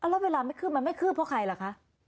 แล้วเวลาไม่คืบมันไม่คืบเพราะใครล่ะคะ